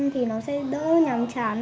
thì nó sẽ đỡ nhằm chán